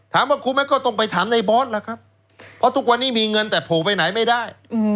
ถามว่าคุ้มไหมก็ต้องไปถามในบอสล่ะครับเพราะทุกวันนี้มีเงินแต่โผล่ไปไหนไม่ได้